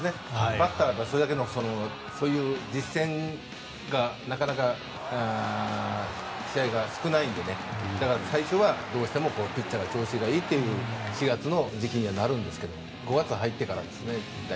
バッターで、それだけの実戦がなかなか試合が少ないのでだから、最初はどうしてもピッチャーが調子がいいという４月の時期にはなるんですが５月に入ってからですね大体。